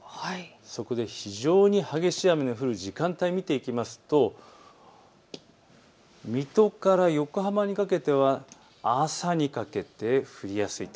そこで非常に激しい雨の降る時間帯を見ていきますと水戸から横浜にかけては朝にかけて降りやすいと。